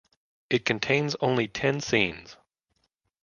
It contains only ten scenes.